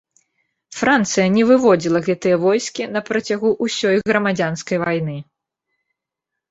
Францыя не выводзіла гэтыя войскі на працягу ўсёй грамадзянскай вайны.